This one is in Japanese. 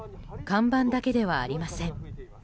看板だけではありません。